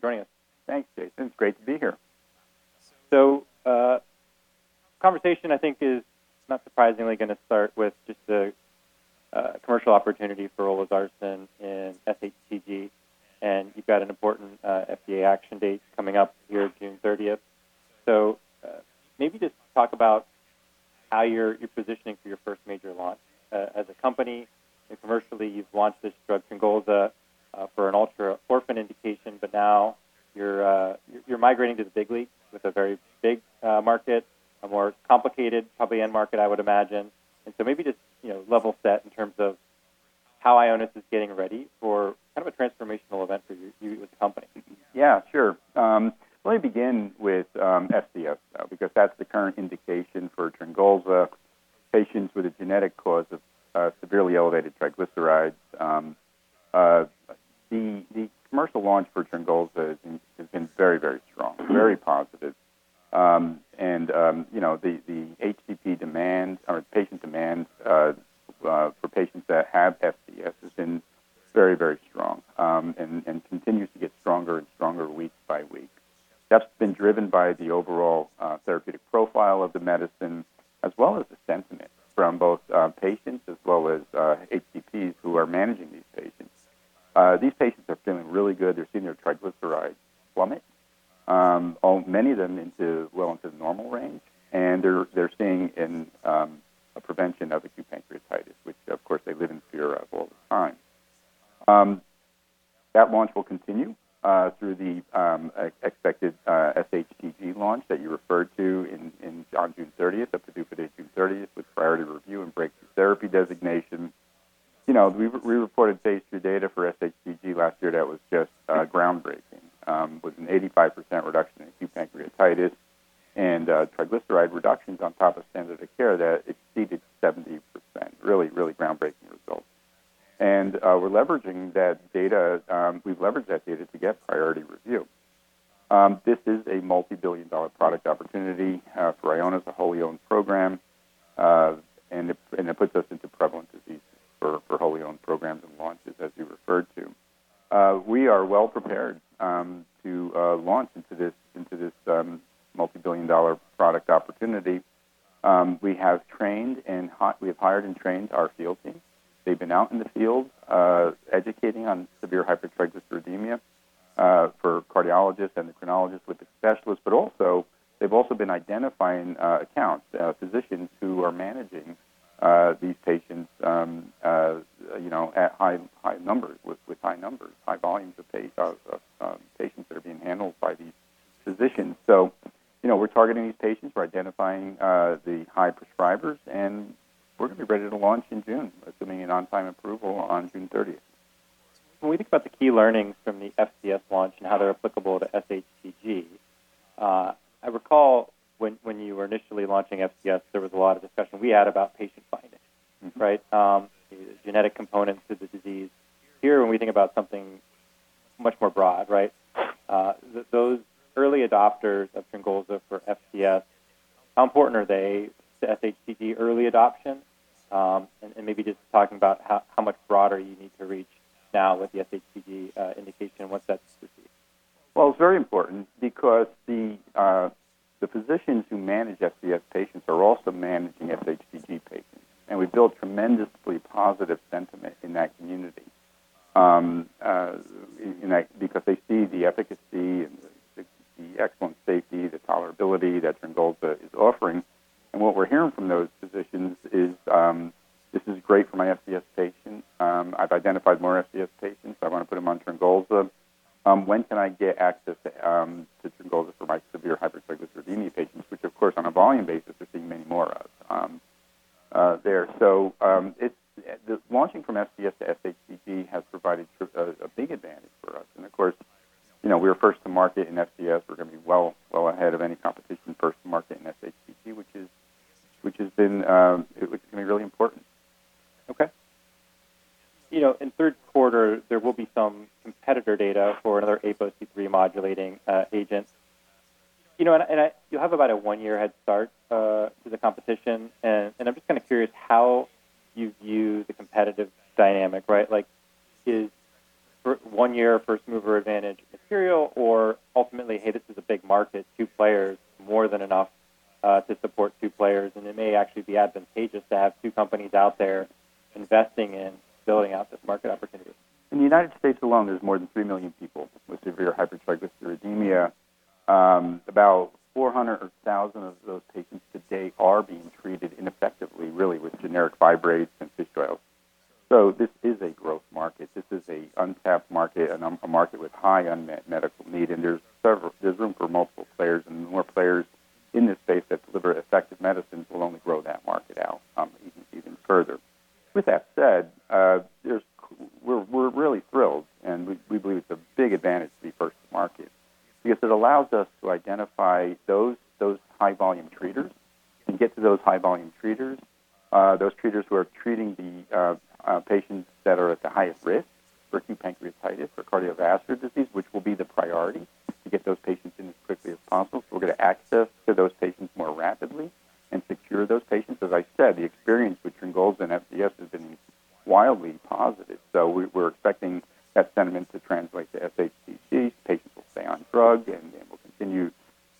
Thanks so much for joining us. Thanks, Jason. It's great to be here. Conversation, I think, is not surprisingly gonna start with just the commercial opportunity for olezarsen in sHTG, and you've got an important FDA action date coming up here June 30th. Maybe just talk about how you're positioning for your first major launch. As a company, commercially, you've launched this drug, TRYNGOLZA, for an ultra-orphan indication, but now you're migrating to the big league with a very big market, a more complicated probably end market, I would imagine. Maybe just, you know, level set in terms of how Ionis is getting ready for kind of a transformational event for you with the company. Yeah, sure. Let me begin with FCS though because that's the current indication for TRYNGOLZA, patients with a genetic cause of severely elevated triglycerides. The commercial launch for TRYNGOLZA has been very, very strong, very positive. You know, the HCP demand or patient demand for patients that have FCS has been very, very strong and continues to get stronger and stronger week by week. That's been driven by the overall therapeutic profile of the medicine as well as the sentiment from both patients as well as HCPs who are managing these patients. These patients are feeling really good. They're seeing their triglycerides plummet, many of them into, well into normal range, and they're seeing a prevention of acute pancreatitis, which of course they live in fear of all the time. That launch will continue through the expected SHTG launch that you referred to on June 30th, up to due for date June 30th with priority review and breakthrough therapy designation. You know, we reported phase II data for SHTG last year that was just groundbreaking with an 85% reduction in acute pancreatitis and triglyceride reductions on top of standard of care that exceeded 70%. Really groundbreaking results. We're leveraging that data, we've leveraged that data to get priority review. This is a multi-billion dollar product opportunity for Ionis, a wholly owned program, and it puts us into prevalent diseases for wholly owned programs and launches as you referred to. We are well prepared to launch into this multi-billion dollar product opportunity. We have hired and trained our field team. They've been out in the field educating on severe hypertriglyceridemia for cardiologists, endocrinologists with the specialists, but also they've also been identifying accounts, physicians who are managing these patients, you know, at high numbers, with high numbers, high volumes of patients that are being handled by these physicians. You know, we're targeting these patients. We're identifying, the high prescribers, and we're gonna be ready to launch in June, assuming an on time approval on June 30th. When we think about the key learnings from the FCS launch and how they're applicable to sHTG, I recall when you were initially launching FCS, there was a lot of discussion we had about patient finding. Right? The genetic components to the disease. Here, when we think about something much more broad, right? Those early adopters of TRYNGOLZA for FCS, how important are they to sHTG early adoption? And maybe just talking about how much broader you need to reach now with the sHTG indication and what steps to take. It's very important because the physicians who manage FCS patients are also managing SHTG patients, and we built tremendously positive sentiment in that community because they see the efficacy and the excellent safety, the tolerability that TRYNGOLZA is offering. What we're hearing from those physicians is, "This is great for my FCS patients." "I've identified more FCS patients." "I want to put them on TRYNGOLZA." "When can I get access to TRYNGOLZA for my severe hypertriglyceridemia patients?" Which of course on a volume basis we're seeing many more of there. The launching from FCS to SHTG has provided a big advantage for us. Of course, you know, we are first to market in FCS. We're going to be well ahead of any competition first to market in sHTG which is going to be really important. Okay. You know, in third quarter there will be some competitor data for another APOC3 modulating agent. You know, you have about a one year head start to the competition, and I'm just kind of curious how you view the competitive dynamic, right? Like is one year first mover advantage material or ultimately, hey, this is a big market, two players, more than enough to support two players, and it may actually be advantageous to have two companies out there investing in building out this market opportunity. In the U.S. alone, there's more than 3 million people with severe hypertriglyceridemia. About 400,000 of those patients today are being treated ineffectively really with generic fibrates and fish oils. This is a growth market. This is a untapped market and a market with high unmet medical need, There's room for multiple players, and more players in this space that deliver effective medicines will only grow that market out even further. With that said, We're really thrilled, and we believe it's a big advantage to be first to market because it allows us to identify those high volume treaters and get to those high volume treaters, those treaters who are treating the patients that are at the highest risk for acute pancreatitis or cardiovascular disease, which will be the priority to get those patients in as quickly as possible. We'll get access to those patients more rapidly and secure those patients. As I said, the experience with TRYNGOLZA and FCS has been wildly positive. We're expecting that sentiment to translate to sHTG. Patients will stay on drug, and then we'll continue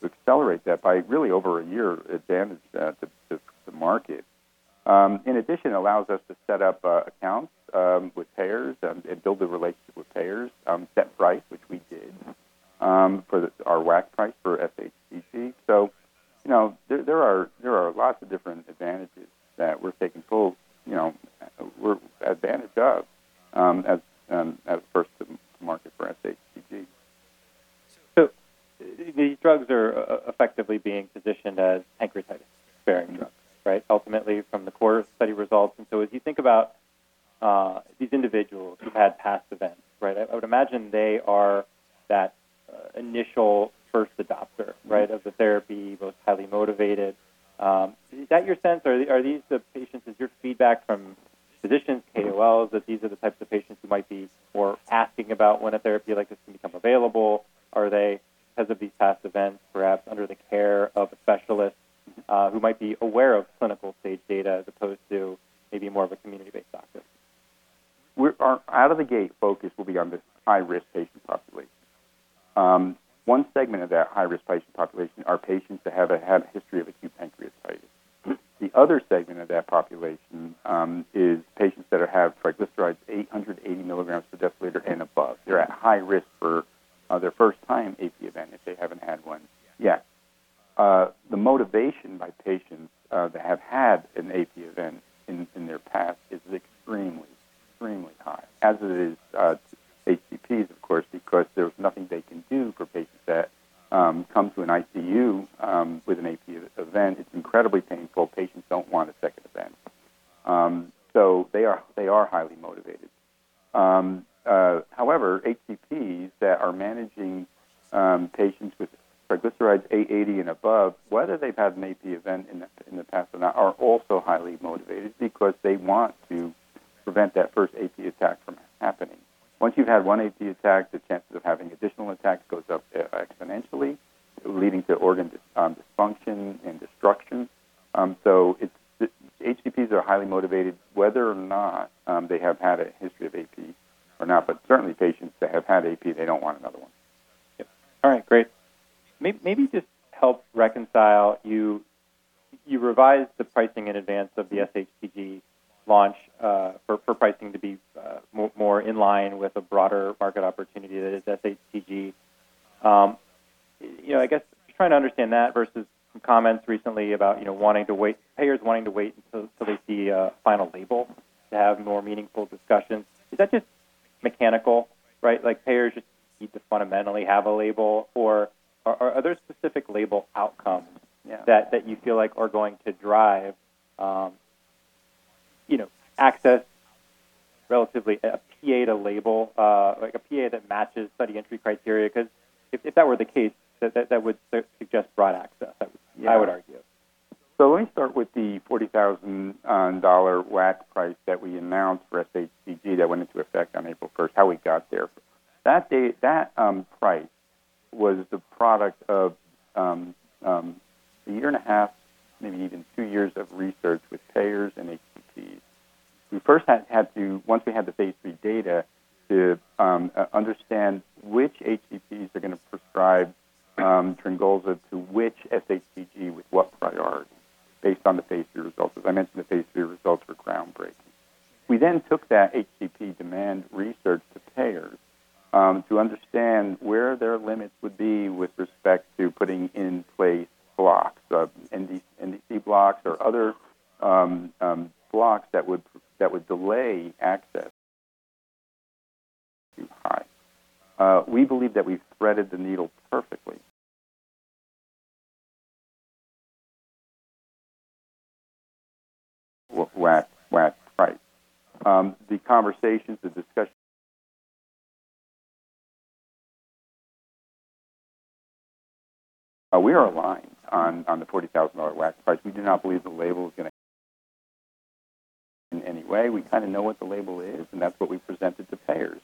to accelerate that by really over a year advantage to the market. In addition, it allows us to set up accounts with payers and build the relationship with payers, set price, which we did, our WAC price for sHTG. You know, there are lots of Maybe just help reconcile, you revised the pricing in advance of the sHTG launch for pricing to be more in line with a broader market opportunity that is sHTG. You know, I guess just trying to understand that versus some comments recently about, you know, payers wanting to wait until they see a final label to have more meaningful discussions. Is that just mechanical, right? Like, payers just need to fundamentally have a label? Or are there specific label outcomes? Yeah. that you feel like are going to drive, you know, access relatively a PA to label, like a PA that matches study entry criteria? If that were the case, that would suggest broad access, I would argue. Let me start with the $40,000 WAC price that we announced for sHTG that went into effect on April first, how we got there. That price was the product of a year and a half, maybe even two years of research with payers and HCPs. We first had to, once we had the phase III data, to understand which HCPs are gonna prescribe TRYNGOLZA to which sHTG with what priority based on the phase III results. As I mentioned, the phase III results were groundbreaking. We took that HCP demand research to payers to understand where their limits would be with respect to putting in place blocks, NDC blocks or other blocks that would delay access too high. We believe that we've threaded the needle perfectly WAC price. We are aligned on the $40,000 WAC price. We do not believe the label is gonna in any way. We kinda know what the label is, and that's what we presented to payers.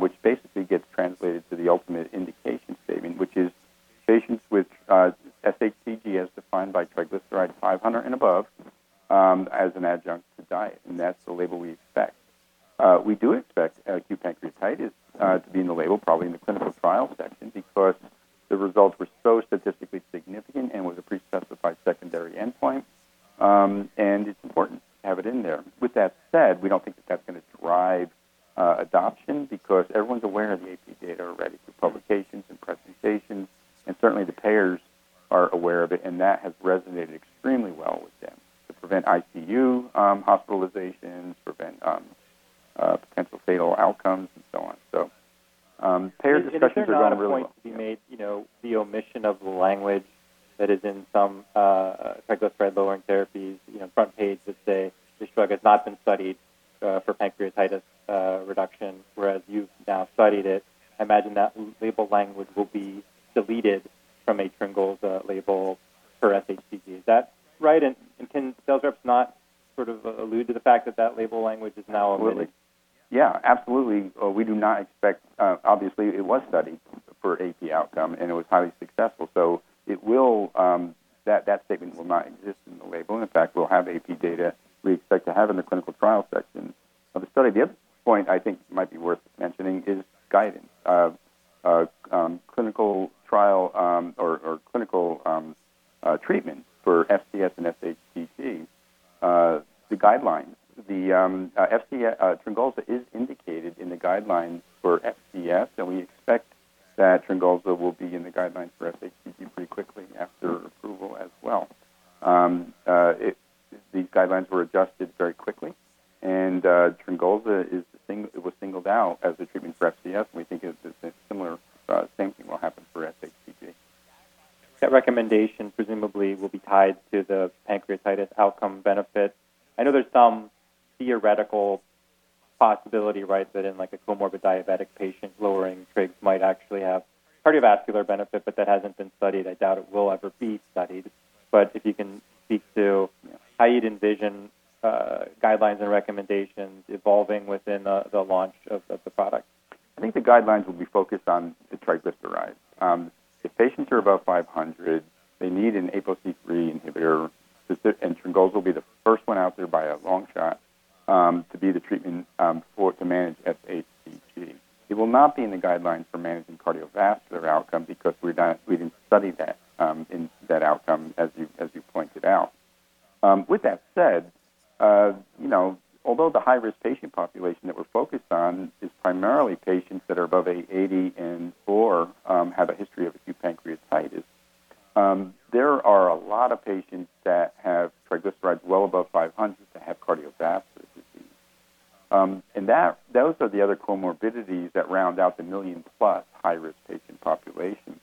This basically gets translated to the ultimate indication saving, which is patients with sHTG as defined by triglyceride 500 and above, as an adjunct to diet, and that's the label we expect. We do expect acute pancreatitis to be in the label, probably in the clinical trial section, because the results were so statistically significant and was a pre-specified secondary endpoint, and it's important to have it in there. With that said, we don't think that that's gonna drive adoption because everyone's aware of the AP data already through publications and presentations, and certainly the payers are aware of it, and that has resonated extremely well with them to prevent ICU hospitalizations, prevent potential fatal outcomes, and so on. Payer discussions have gone really well. Is there not a point to be made, you know, the omission of the language that is in some triglyceride-lowering therapies, you know, front page that say, "This drug has not been studied for pancreatitis reduction," whereas you've now studied it. I imagine that label language will be deleted from a TRYNGOLZA label for sHTG. Is that right? Can sales reps not sort of allude to the fact that that label language is now omitted? Yeah, absolutely. Obviously, it was studied for AP outcome, and it was highly successful. It will, that statement will not exist in the label. In fact, we'll have AP data we expect to have in the clinical trial section of the study. The other point I think might be worth mentioning is guidance. Clinical trial, or clinical treatment for FCS and sHTG. The guidelines. TRYNGOLZA is indicated in the guidelines for FCS, and we expect that TRYNGOLZA will be in the guidelines for sHTG pretty quickly after approval as well. These guidelines were adjusted very quickly, and TRYNGOLZA was singled out as the treatment for FCS, and we think it similar, same thing will happen for sHTG. That recommendation presumably will be tied to the pancreatitis outcome benefit. I know there's some theoretical possibility, right, that in like a comorbid diabetic patient, lowering trig might actually have cardiovascular benefit, but that hasn't been studied. I doubt it will ever be studied. If you can speak to how you'd envision guidelines and recommendations evolving within the launch of the product? I think the guidelines will be focused on the triglycerides. If patients are above 500, they need an APOC3 inhibitor. TRYNGOLZA will be the first one out there by a long shot to be the treatment to manage sHTG. It will not be in the guidelines for managing cardiovascular outcome because we didn't study that in that outcome as you pointed out. With that said, you know, although the high-risk patient population that we're focused on is primarily patients that are above 84, have a history of acute pancreatitis, there are a lot of patients that have triglycerides well above 500 that have cardiovascular disease. Those are the other comorbidities that round out the 1 million-plus high-risk patient population.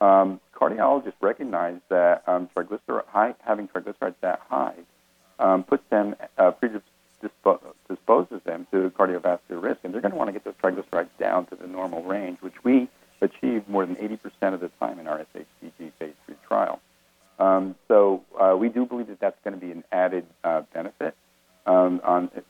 Cardiologists recognize that, having triglycerides that high, puts them, disposes them to cardiovascular risk, and they're gonna wanna get those triglycerides down to the normal range, which we achieve more than 80% of the time in our sHTG phase III trial. We do believe that that's gonna be an added benefit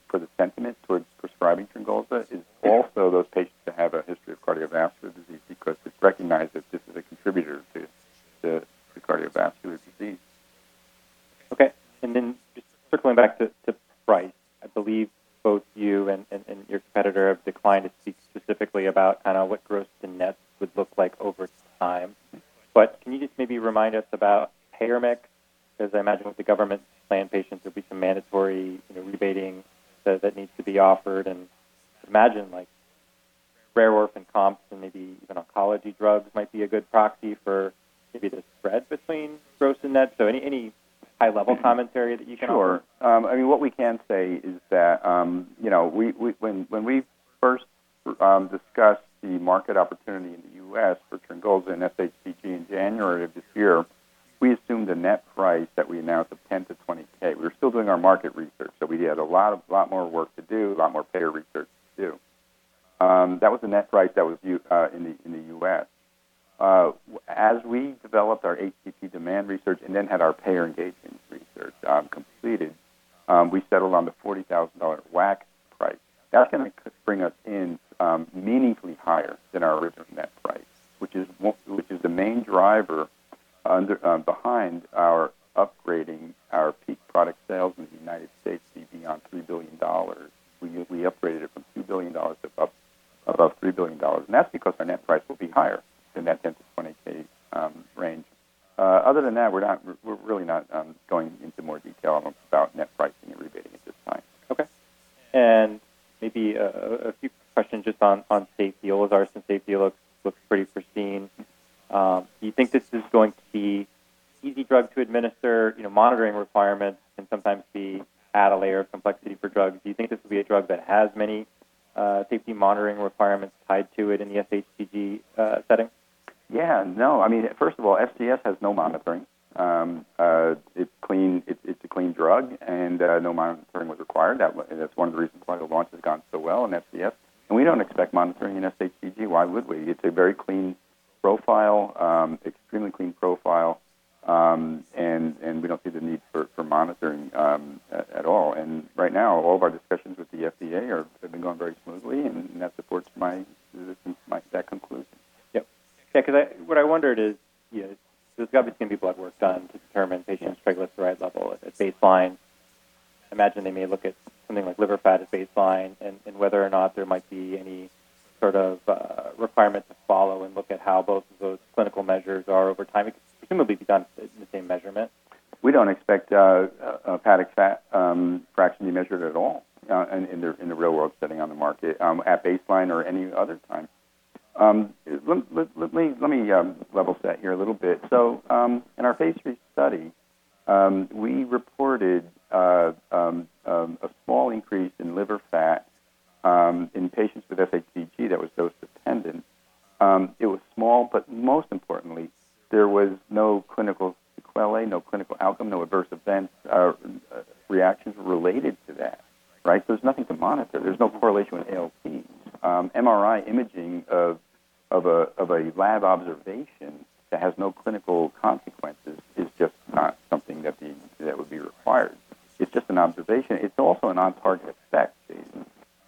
for the sentiment towards prescribing TRYNGOLZA is also those patients that have a history of cardiovascular disease because it's recognized that this is a contributor to cardiovascular disease. Okay. Then just circling back to price, I believe both you and your competitor have declined to speak specifically about kinda what gross-to-net would look like over time. Can you just maybe remind us about payer mix? 'Cause I imagine with the government plan patients, there'll be some mandatory, you know, rebating that needs to be offered. I'd imagine, like, rare disease and comps and maybe even oncology drugs might be a good proxy for maybe the spread between gross and net. Any high-level commentary that you can offer? Sure. What we can say is that when we first discussed the market opportunity in the U.S. for TRYNGOLZA and sHTG in January of this year, we assumed a net price that we announced of $10,000-$20,000. We were still doing our market research, so we had a lot more work to do, a lot more payer research to do. That was the net price that was in the U.S. As we developed our HCP demand research and then had our payer engagement research completed, we settled on the $40,000 WAC price. That's gonna bring us in meaningfully higher than our original net price, which is the main driver behind our upgrading our peak product sales in the United States to be beyond $3 billion. We upgraded it from $2 billion to above $3 billion, and that's because our net price will be higher than that $10K-$20K range. Other than that, we're really not going into more detail about net pricing and rebating at this time. Okay. Maybe a few questions just on safety. olezarsen and safety looks pretty pristine. Do you think this is going to be easy drug to administer? You know, monitoring requirements can sometimes be add a layer of complexity for drugs. Do you think this will be a drug that has many safety monitoring requirements tied to it in the sHTG setting? No. I mean, first of all, FCS has no monitoring. It's clean. It's a clean drug, and no monitoring was required. That's one of the reasons why the launch has gone so well in FCS. We don't expect monitoring in sHTG. Why would we? It's a very clean profile, extremely clean profile, and we don't see the need for monitoring at all. Right now, all of our discussions with the FDA have been going very smoothly, and that supports my conclusion. Yep. Yeah, 'cause what I wondered is, you know, there's obviously gonna be blood work done to determine patient's triglyceride level at baseline. I imagine they may look at something like liver fat at baseline and whether or not there might be any sort of requirement to follow and look at how both of those clinical measures are over time. It could presumably be done in the same measurement. We don't expect hepatic fat fraction to be measured at all in the real-world setting on the market at baseline or any other time. Let me level set here a little bit. In our phase III study, we reported a small increase in liver fat in patients with sHTG that was dose-dependent. It was small, but most importantly, there was no clinical sequelae, no clinical outcome, no adverse events or reactions related to that, right? There's nothing to monitor. There's no correlation with ALT. MRI imaging of a lab observation that has no clinical consequences is just not something that would be required. It's just an observation. It's also a non-target effect, Jason.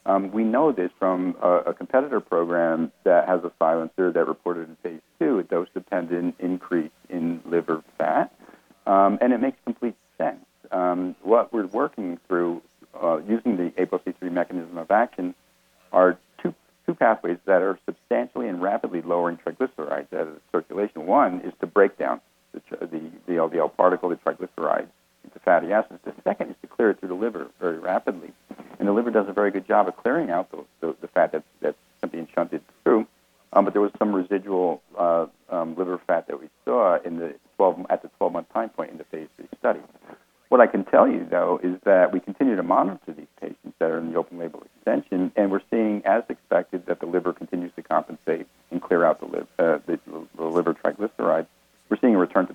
We know this from a competitor program that has a silencer that reported in phase II a dose-dependent increase in liver fat, and it makes complete sense. What we're working through, using the APOC3 mechanism of action are two pathways that are substantially and rapidly lowering triglycerides out of the circulation. One is to break down the VLDL particle, the triglyceride into fatty acids. The second is to clear it through the liver very rapidly. The liver does a very good job of clearing out those, the fat that's being shunted through. There was some residual liver fat that we saw at the 12-month time point in the phase III study. What I can tell you, though, is that we continue to monitor these patients that are in the open label extension, and we're seeing, as expected, that the liver continues to compensate and clear out the liver triglycerides. We're seeing a return to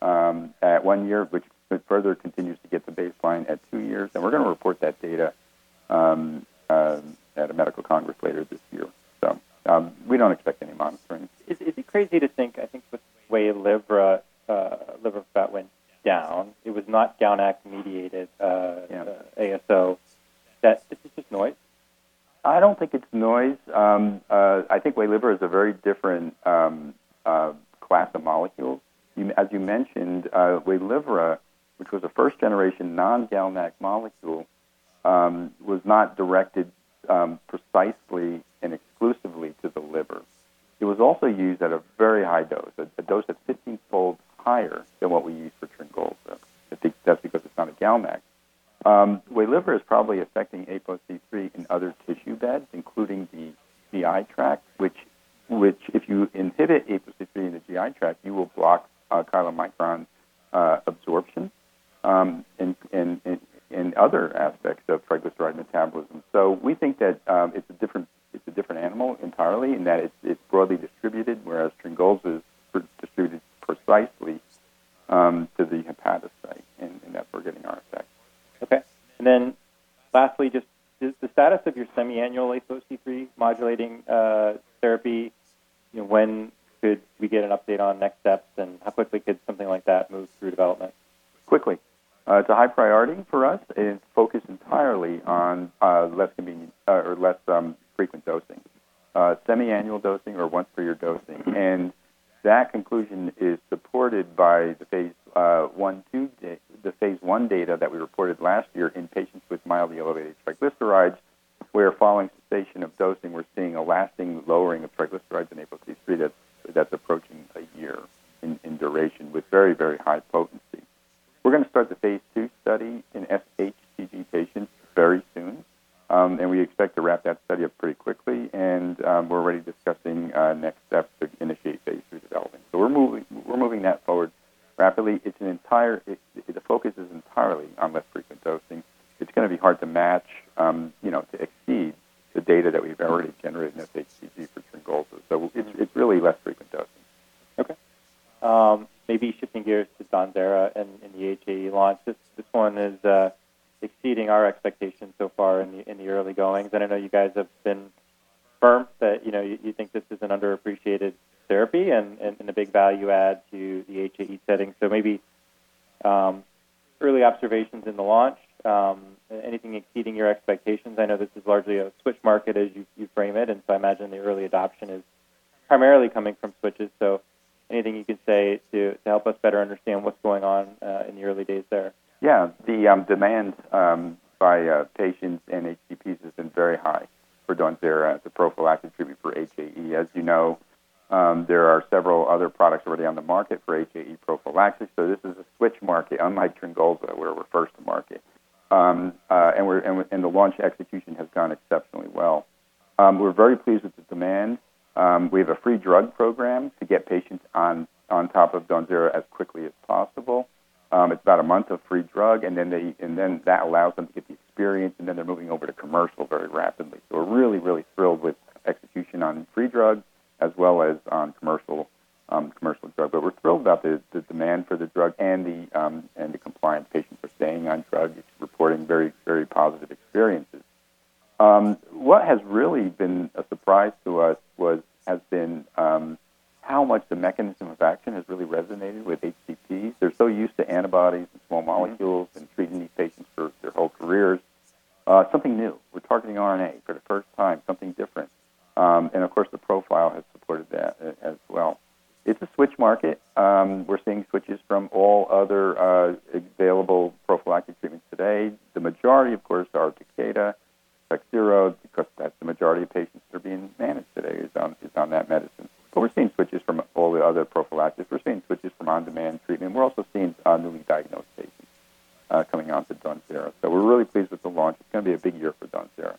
baseline, at one year, which further continues to get to baseline at two years, and we're going to report that data at a medical congress later this year. We don't expect any monitoring. Is it crazy to think, I think the way WAYLIVRA, liver fat went down, it was not down APOC3 mediated. Yeah. ASO. Is this just noise? I don't think it's noise. I think WAYLIVRA is a very different class of molecule. As you mentioned, WAYLIVRA, which was a first-generation non-GalNAc molecule, was not directed precisely and exclusively to the liver. It was also used at a very high dose, a dose that's 50-fold higher than what we use for TRYNGOLZA. That's because it's not a GalNAc. WAYLIVRA is probably affecting APOC3 in other tissue beds, including the patients and HCPs has been very high for DAWNZERA as a prophylactic treatment for HAE. As you know, there are several other products already on the market for HAE prophylaxis, so this is a switch market, unlike TRYNGOLZA, where we're first to market. The launch execution has gone exceptionally well. We're very pleased with the demand. We have a free drug program to get patients on top of DAWNZERA as quickly as possible. It's about a month of free drug, and then that allows them to get the experience, and then they're moving over to commercial very rapidly. We're really thrilled with execution on free drugs as well as on commercial drugs. We're thrilled about the demand for the drug and the compliance. Patients are staying on drug. It's reporting very positive experiences. What has really been a surprise to us has been how much the mechanism of action has really resonated with HCPs. They're so used to antibodies and small molecules and treating these patients for their whole careers. Something new. We're targeting RNA for the first time, something different. Of course, the profile has supported that as well. It's a switch market. We're seeing switches from all other available prophylactic treatments today. The majority, of course, are Takeda, Takhzyro, because that's the majority of patients that are being managed today is on that medicine. We're seeing switches from all the other prophylactics. We're seeing switches from on-demand treatment. We're also seeing, newly diagnosed patients, coming on to DAWNZERA. We're really pleased with the launch. It's gonna be a big year for DAWNZERA.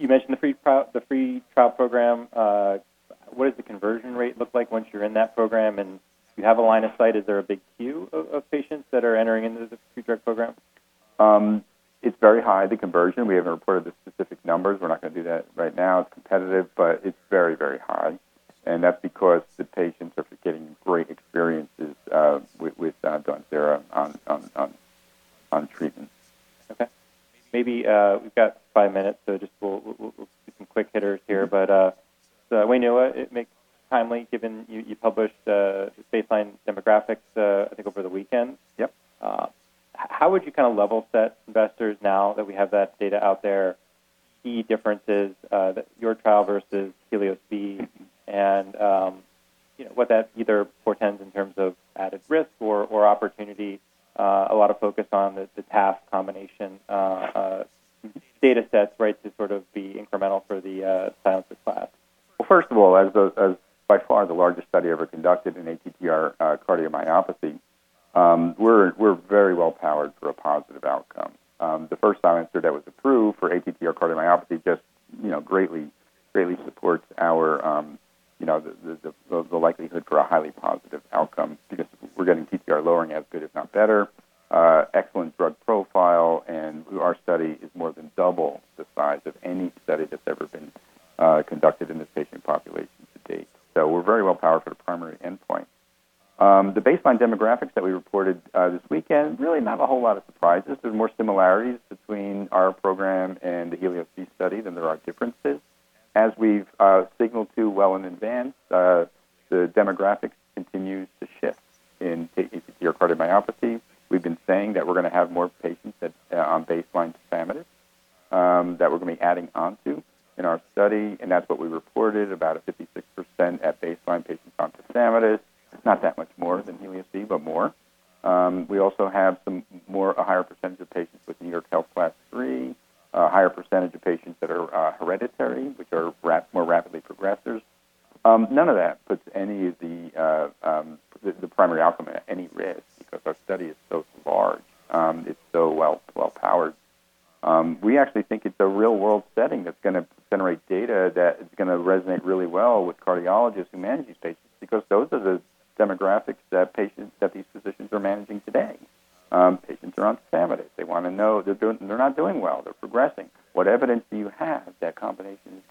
You mentioned the free trial program. What does the conversion rate look like once you're in that program? Do you have a line of sight? Is there a big queue of patients that are entering into the free drug program? It's very high, the conversion. We haven't reported the specific numbers. We're not gonna do that right now. It's competitive, but it's very, very high. That's because the patients are getting great experiences with DAWNZERA on treatment. Okay. Maybe, we've got five minutes, so just we'll do some quick hitters here. WAINUA, it makes timely given you published, baseline demographics, I think over the weekend. Yep. How would you kind of level set investors now that we have that data out there, key differences that your trial versus HELIOS-B and, you know, what that either portends in terms of added risk or opportunity, a lot of focus on the tafamidis combination data sets, right, to sort of be incremental for the silencer class? Well, first of all, as by far the largest study ever conducted in ATTR cardiomyopathy, we're very well-powered for a positive outcome. The first silencer that was approved for ATTR cardiomyopathy just, you know, greatly supports our, you know, the likelihood for a highly positive outcome because we're getting TTR lowering as good if not better, excellent drug profile, and our study is more than double the size of any study that's ever been conducted in this patient population to date. We're very well-powered for the primary endpoint. The baseline demographics that we reported this weekend, really not a whole lot of surprises. There's more similarities between our program and the HELIOS-B study than there are differences. As we've signaled too well in advance, the demographics continues to shift in ATTR cardiomyopathy. We've been saying that we're going to have more patients that on baseline tafamidis that we're going to be adding onto in our study, and that's what we reported, about a 56% at baseline patients on tafamidis. It's not that much more than HELIOS-B, but more. We also have some more, a higher percentage of patients with New York Heart Association Class III, a higher percentage of patients that are hereditary, which are more rapidly progressors. None of that puts any of the primary outcome at any risk because our study is so large. It's so well-powered. We actually think it's a real-world setting that's gonna generate data that is gonna resonate really well with cardiologists who manage these patients because those are the demographics that patients that these physicians are managing today. Patients are on tafamidis. They're not doing well. They're progressing. What evidence do you have that combination is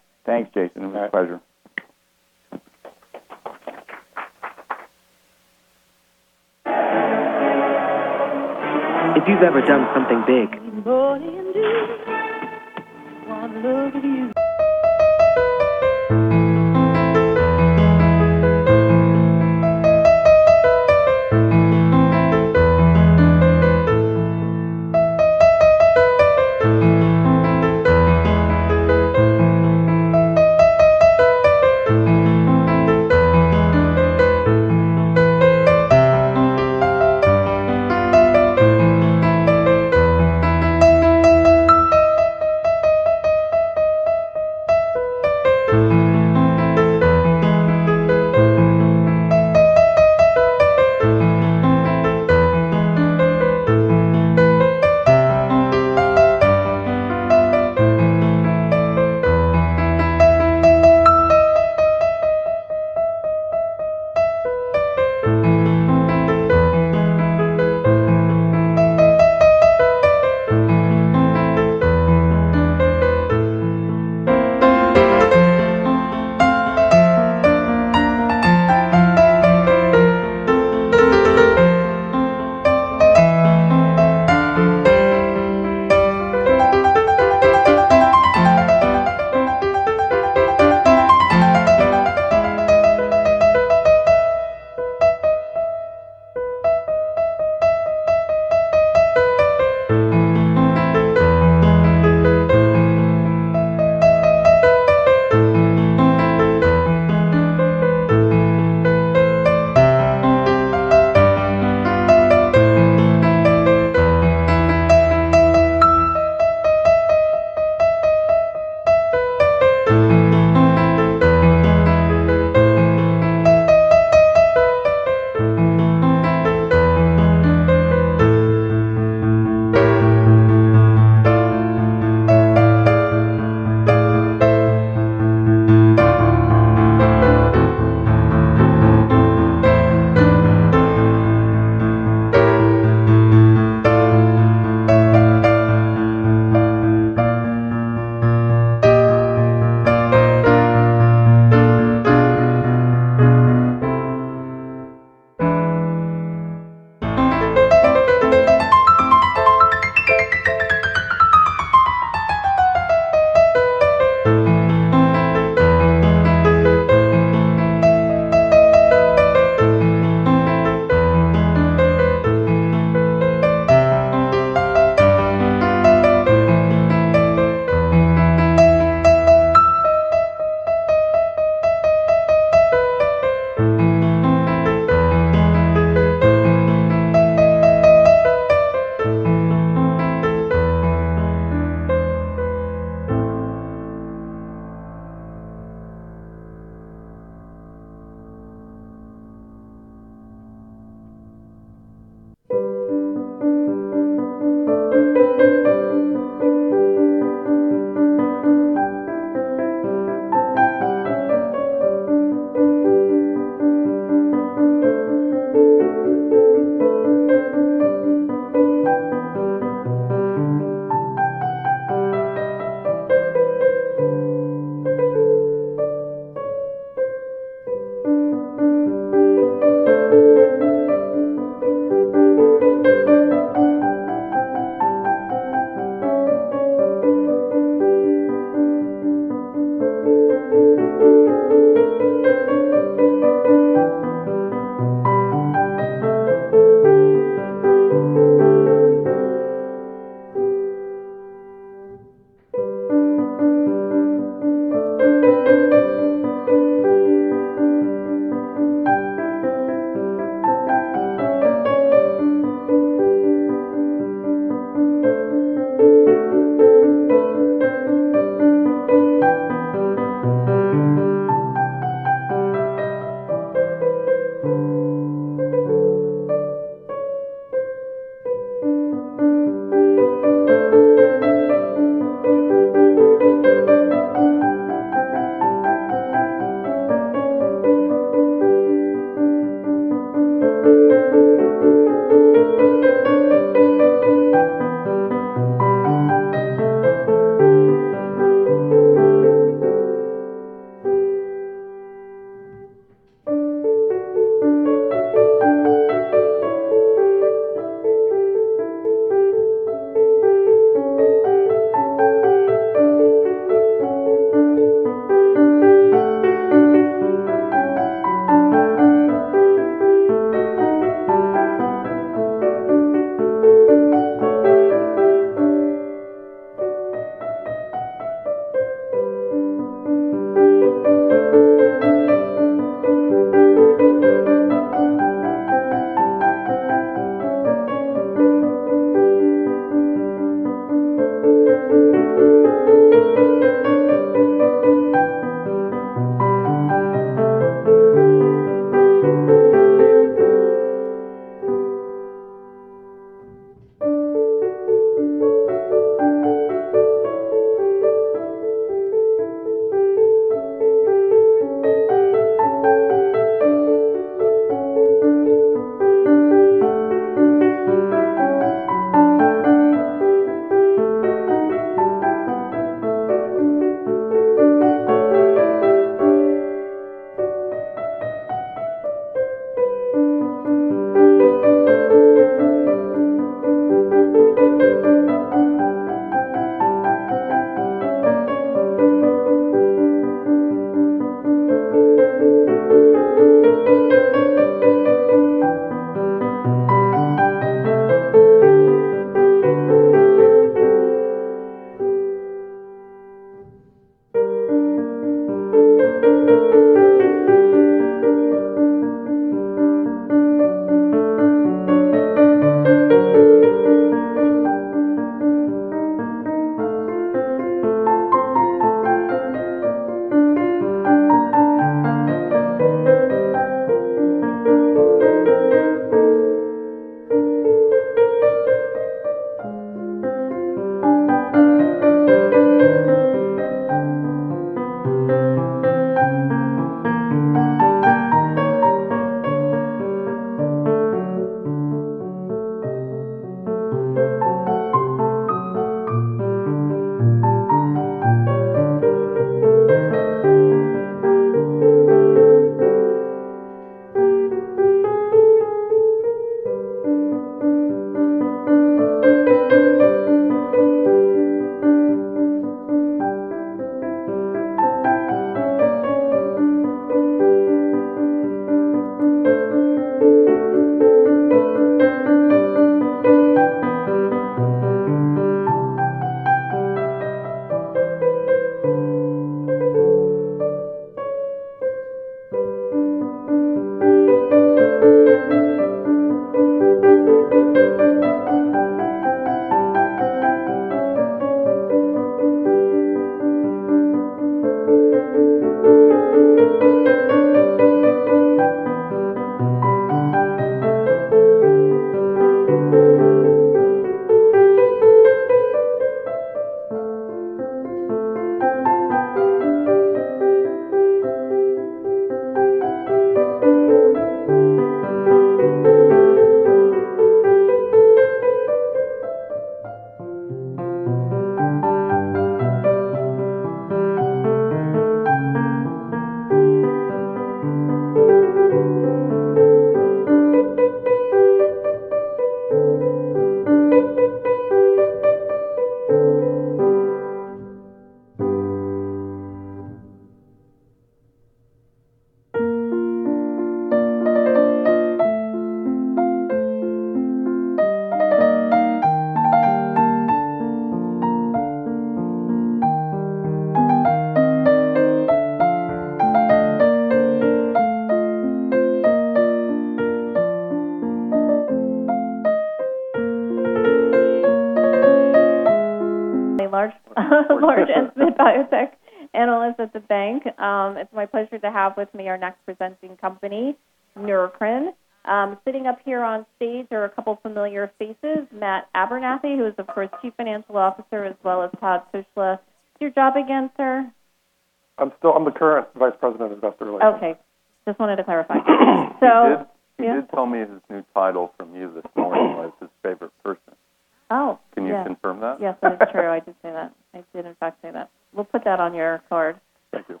We'll put that on your card. Thank you.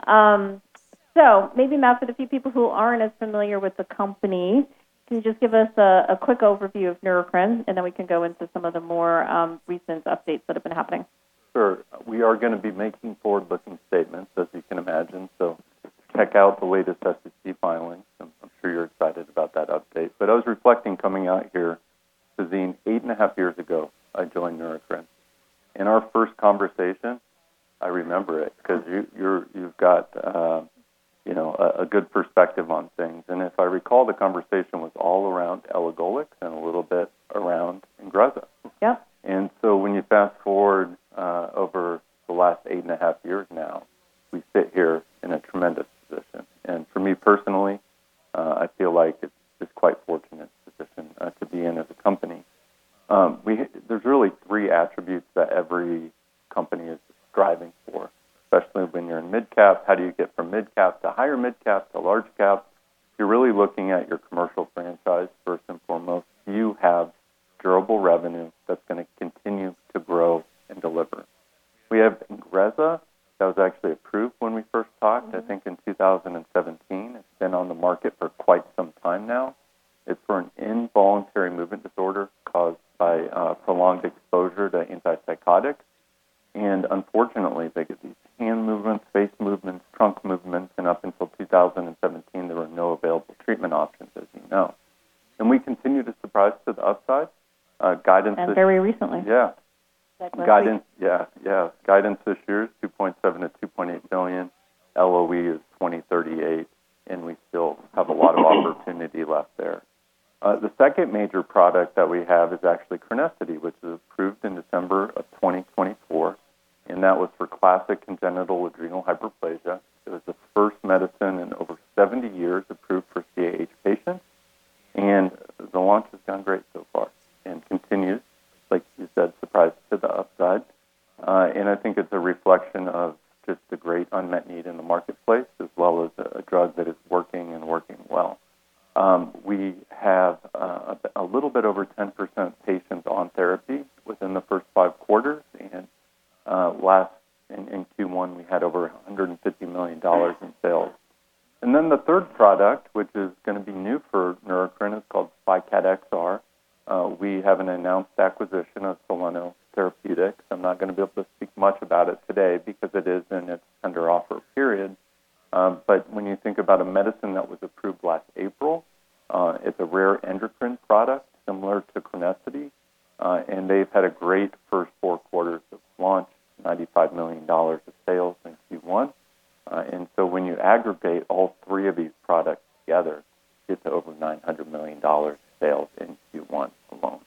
Maybe, Matt, for the few people who aren't as familiar with the company, can you just give us a quick overview of Neurocrine, and then we can go into some of the more recent updates that have been happening? Sure. We are gonna be making forward-looking statements, as you can imagine, so check out the latest SEC filings. I'm sure you're excited about that update. I was reflecting coming out here, Suzanne, eight and a half years ago I joined Neurocrine. In our first conversation, I remember it 'cause you've got, you know, a good perspective on things. If I recall, the conversation was all around elagolix and a little bit around INGREZZA. Yeah. When you fast-forward, over the last eight and a half years now, we sit here in a tremendous position. For me personally, I feel like it's quite a fortunate position to be in as a company. There's really three attributes that every company is striving for, especially when you're in mid-cap. How do you get from mid-cap to higher mid-cap to large-cap? You're really looking at your commercial franchise first and foremost. Do you have durable revenue that's gonna continue to grow and deliver? We have INGREZZA. That was actually approved when we first talked. I think in 2017. It's been on the market for quite some time now. It's for an involuntary movement disorder caused by prolonged exposure to antipsychotics. Unfortunately, they get these hand movements, face movements, trunk movements, and up until 2017, there were no available treatment options, as you know. We continue to surprise to the upside. Very recently. Yeah. At last week. Guidance this year is $2.7 billion-$2.8 billion. LOE is 2038. We still have a lot of opportunity left there. The second major product that we have is actually CRENESSITY, which was approved in December of 2024. That was for classic congenital adrenal hyperplasia. It was the first medicine in over 70 years approved for CAH patients. The launch has gone great so far and continues, like you said, surprise to the upside. I think it's a reflection of just the great unmet need in the marketplace as well as a drug that is working and working well. We have a little bit over 10% of patients on therapy within the first five quarters. Last in Q1, we had over $150 million in sales. The third product, which is going to be new for Neurocrine, is called VYKAT XR. We have an announced acquisition of Soleno Therapeutics. I'm not going to be able to speak much about it today because it is in its under offer period. When you think about a medicine that was approved last April, it's a rare endocrine product similar to CRENESSITY, and they've had a great first four quarters of launch, $95 million of sales in Q1. When you aggregate all three of these products together, it's over $900 million sales in Q1 alone.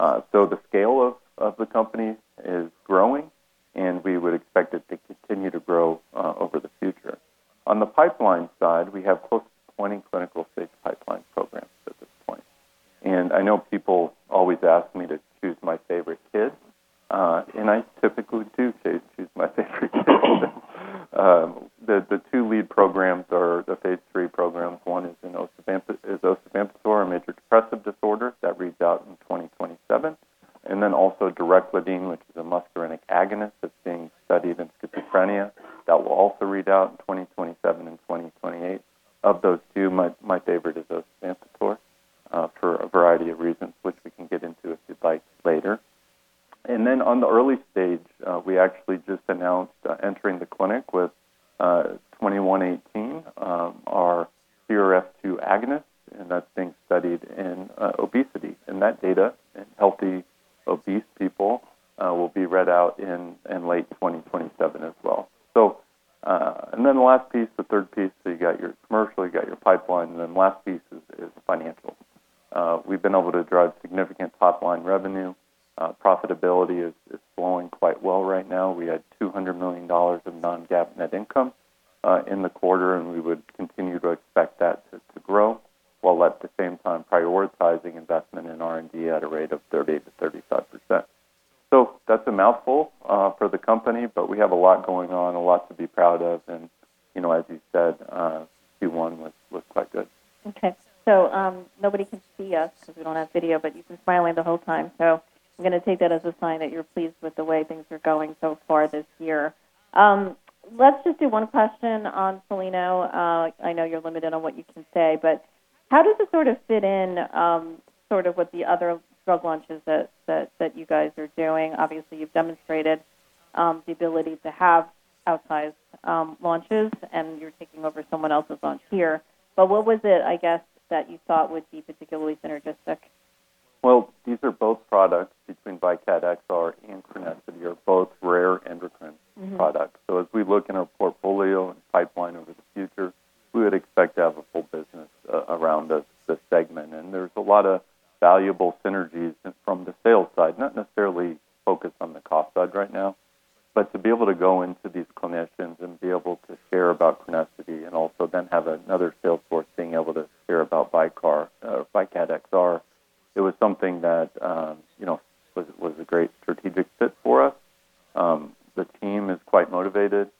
The scale of the company is growing, and we would expect it to continue to grow over the future. On the pipeline side, we have close to 20 clinical stage pipeline programs at this point. I know people always ask me to choose my favorite kid, and I typically do choose my favorite kid. The two lead programs are the phase III programs. One is, you know, osavampator, a major depressive disorder that reads out in 2027. Also dereclidine, which is a muscarinic agonist that's being studied in schizophrenia that will also read out in 2027 and 2028. Of those two, my favorite is osavampator, for a variety of reasons which we can get into if you'd like later. On the early stage, we actually just announced entering the clinic with 2118, our CRF2 agonist, and that's being studied in obesity. That data in healthy obese people will be read out in late 2027 as well. And then the last piece, the third piece, so you got your Well, these are both products between VYKAT XR and paltusotine are both rare endocrine products. As we look in our portfolio and pipeline over the future, we would expect to have a full business around this segment. There's a lot of valuable synergies from the sales side, not necessarily focused on the cost side right now. To be able to go into these clinicians and be able to share about CRENESSITY and also then have another sales force being able to hear about VYKAT XR, it was something that, you know, was a great strategic fit for us. The team is quite motivated. They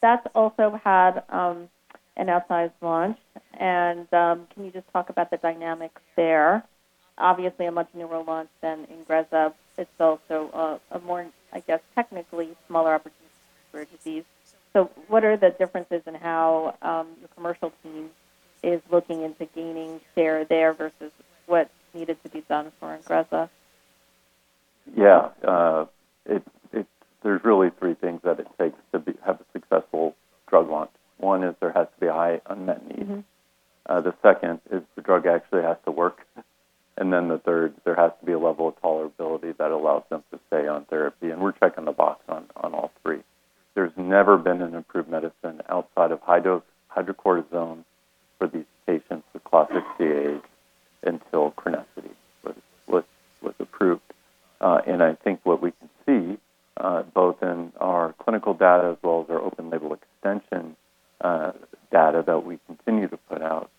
That's also had an outsized launch. Can you just talk about the dynamics there? Obviously, a much newer launch than Ingrezza. It's also a more, I guess, technically smaller opportunity for a disease. What are the differences in how the commercial team is looking into gaining share there versus what needed to be done for Ingrezza? Yeah. There's really three things that it takes to be, have a successful drug launch. One is there has to be a high unmet need. The second is the drug actually has to work. The third, there has to be a level of tolerability that allows them to stay on therapy, and we're checking the box on all three. There's never been an improved medicine outside of high dose hydrocortisone for these patients with classic CAH until paltusotine was approved. I think what we can see, both in our clinical data as well as our open label extension, data that we continue to put out,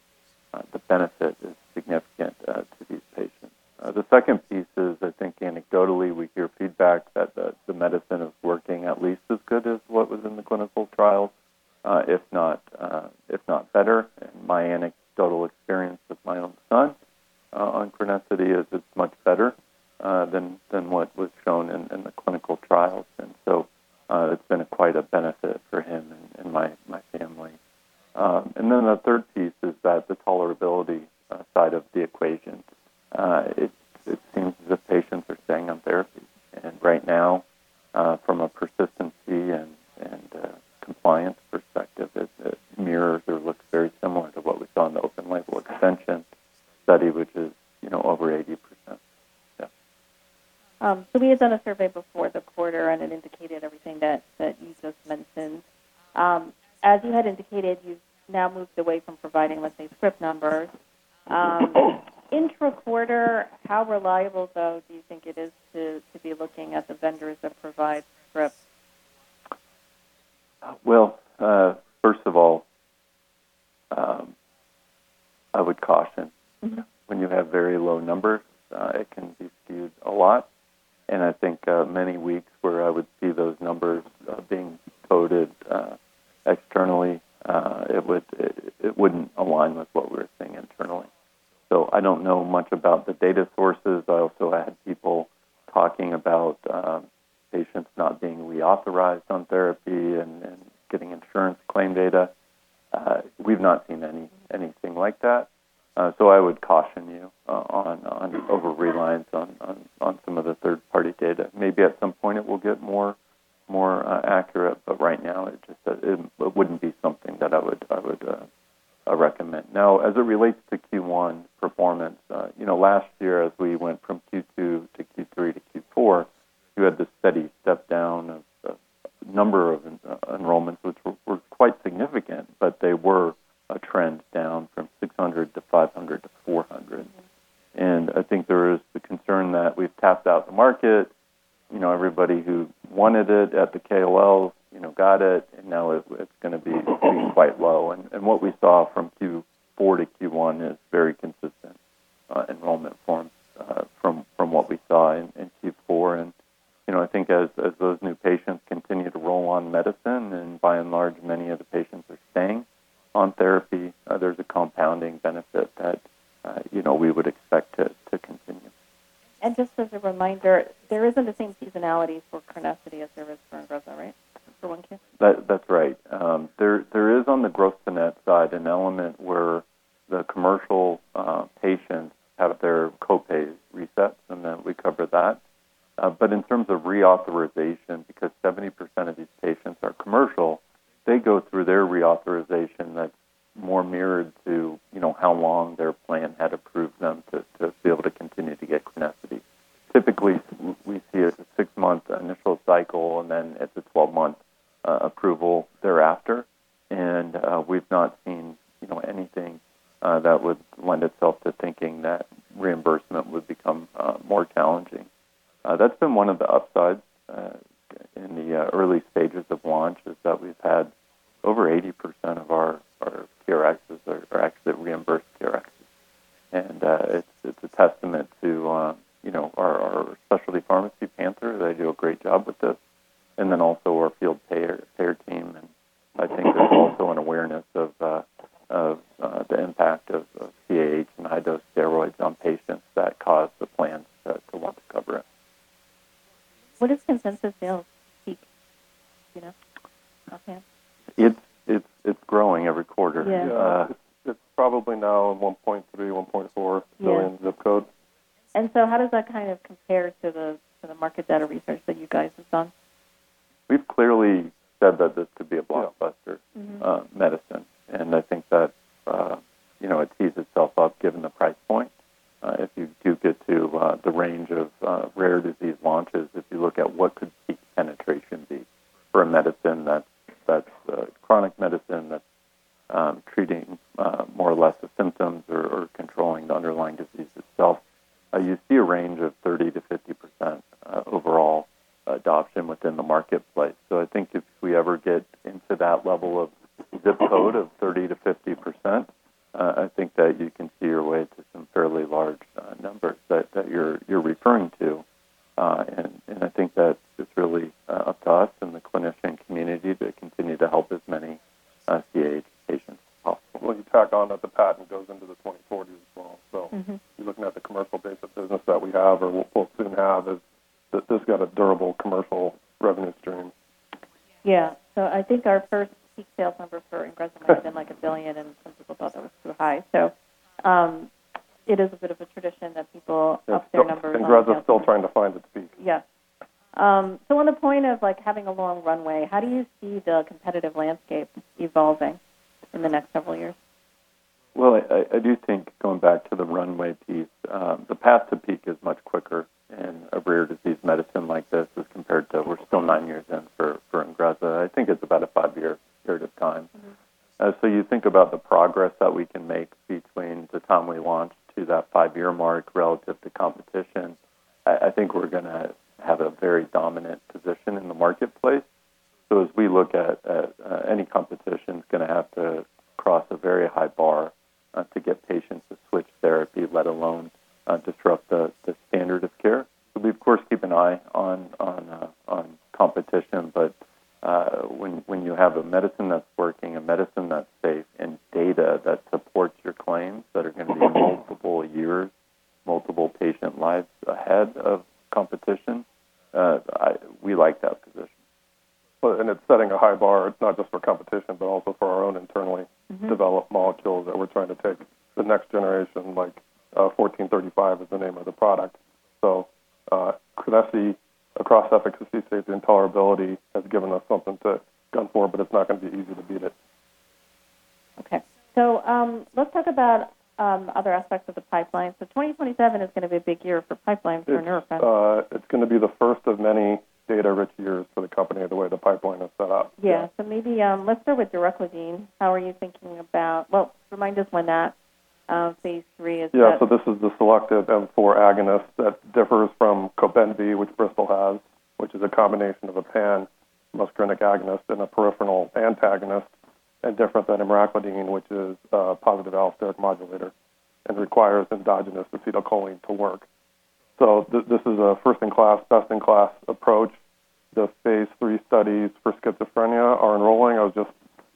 the benefit is significant to these patients. The second piece is I think anecdotally we hear feedback that the medicine is working at least as good as what was in the clinical trials, if not, if not better. My anecdotal experience with my own son, on paltusotine is it's much better than what was shown in the clinical trials. It's been quite a benefit for him and my family. The third piece is that the tolerability side of the equation. It seems as if patients are staying on therapy. Right now, from a persistency and compliance perspective, it mirrors or looks very similar to what we saw in the open label extension study, which is, you know, over 80%. We had done a survey before the quarter, and it indicated everything that you just mentioned. You had indicated, you've now moved away from providing, let's say, script numbers. Intra-quarter, how reliable, though, do you think it is to be looking at the vendors that provide more mirrored to how long their plan had approved them to be able to continue to get CRENESSITY. Typically, we see it as a 6-month initial cycle and then it's a 12-month approval thereafter. We've not seen anything that would lend itself to thinking that reimbursement would become more challenging. That's been one of the upsides in the early stages of launch, is that we've had over 80% of our PRXs are actually reimbursed PRXs. It's a testament to, you know, our specialty pharmacy partner. They do a great job with this. Then also our field payer team. I think there's also an awareness of the impact of CAH and high-dose steroids on patients that cause the plan to want to cover it. What is consensus sales peak? You know? Okay. It's growing every quarter. Yeah. It's probably now $1.3, $1.4. Yeah million zip code. How does that kind of compare to the, to the market data research that you guys have done? We've clearly said that this could be a blockbuster. medicine. I think that, you know, it tees itself up given the price point. If you do get to the range of rare disease launches, if you look at what could peak penetration be for a medicine that's a chronic medicine that's treating more or less the symptoms or controlling the underlying disease itself, you see a range of 30%-50% overall adoption within the marketplace. I think if we ever get into that level of zip code of 30%-50%, I think that you can see your way to some fairly large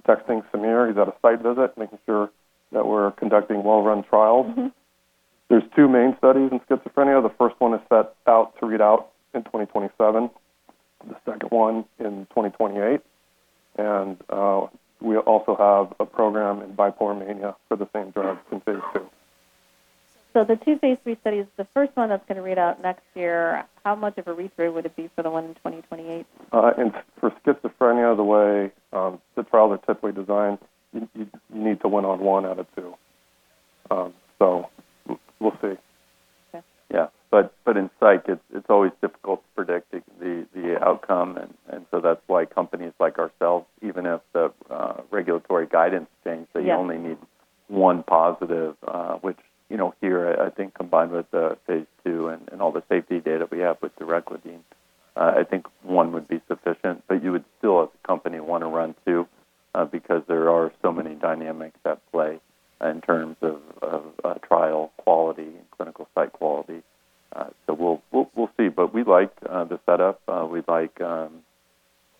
texting Samir, he's at a site visit, making sure that we're conducting well-run trials. There's two main studies in schizophrenia. The first one is set out to read out in 2027, the second one in 2028. We also have a program in Bipolar Mania for the same drug in phase II. The two phase III studies, the first one that's gonna read out next year, how much of a read-through would it be for the one in 2028? For schizophrenia, the way the trials are typically designed, you need to win on one out of two. We'll see. Okay. Yeah. In psych, it's always difficult to predict the outcome and so that's why companies like ourselves, even if the regulatory guidance saying Yeah You only need one positive, which, you know, here I think combined with the phase II and all the safety data we have with difelikefalin, I think one would be sufficient. You would still, as a company, want to run two, because there are so many dynamics at play in terms of trial quality and clinical site quality. We'll see. We like the setup. We like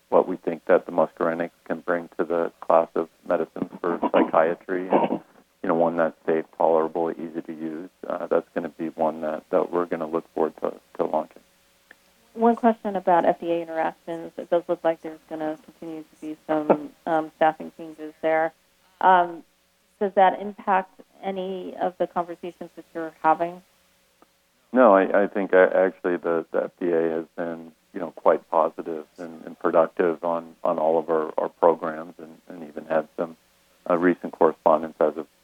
what we think that the muscarinic can bring to the class of medicine for psychiatry and, you know, one that's safe, tolerable, easy to use. That's going to be one that we're going to look forward to launching. One question about FDA interactions. It does look like there's gonna continue to be some staffing changes there. Does that impact any of the conversations that you're having? I think, actually, the FDA has been, you know, quite positive and productive on all of our programs and even had some recent correspondence as of last week on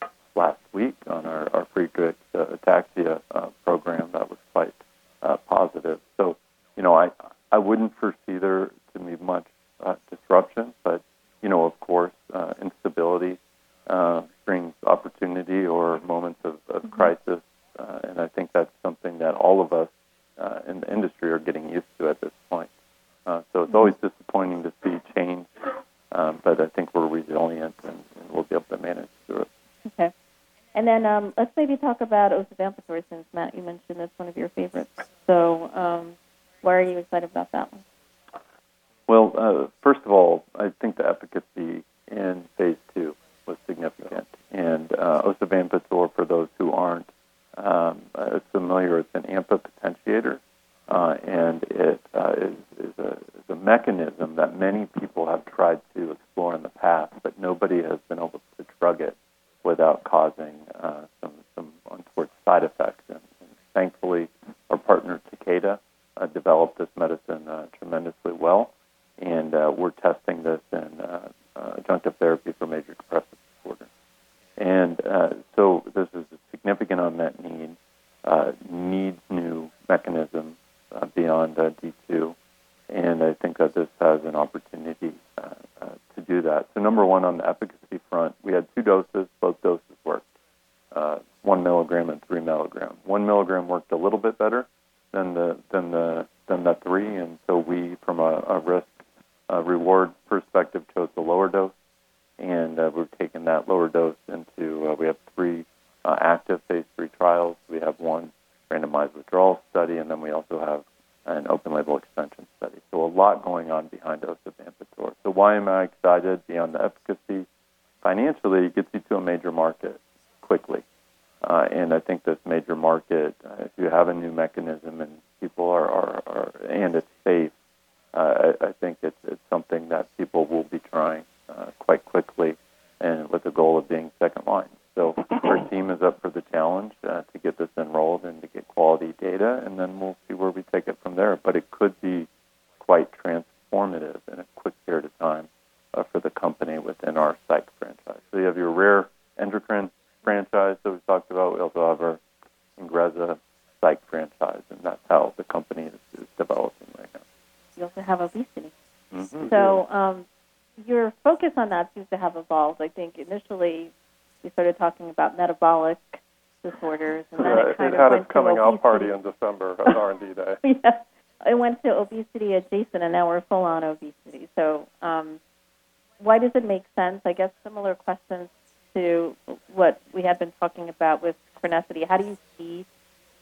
I guess similar questions to what we had been talking about with CRENESSITY. How do you see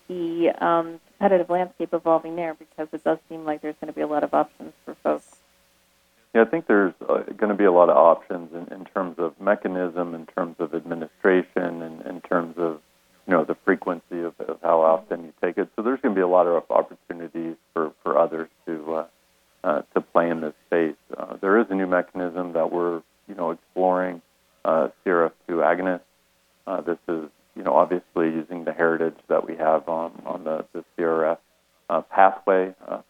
the competitive landscape evolving there? Because it does seem like there's gonna be a lot of options for folks. Yeah, I think there's gonna be a lot of options in terms of mechanism, in terms of administration and in terms of, you know, the frequency of how often you take it. There's gonna be a lot of opportunities for others to play in this space. There is a new mechanism that we're, you know, exploring, CRF2 agonist. This is, you know, obviously using the heritage that we have on the CRF pathway, from